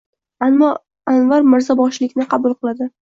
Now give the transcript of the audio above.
Ammo Anvar mirzoboshilikni qabul qiladi.